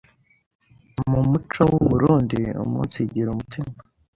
Mu muco w’u Burunndi, umunsigire umutime